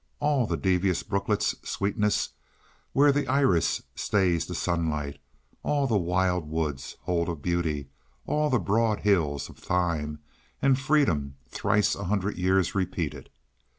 All the devious brooklets' sweetness where the iris stays the sunlight; all the wild woods hold of beauty; all the broad hills of thyme and freedom thrice a hundred years repeated.